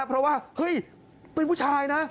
เพราะว่าเฮ้ยเป็นผู้ชายนะ